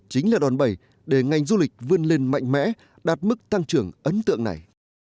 chính là đòn bẩy để ngành du lịch vươn lên mạnh mẽ đạt mức tăng trưởng ấn tượng này